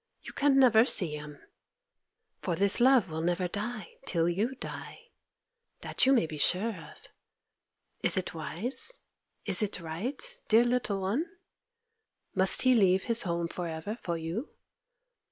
You can never see him, for this love will never die till you die! That you may be sure of. Is it wise? Is it right, dear little one? Must he leave his home for ever for you?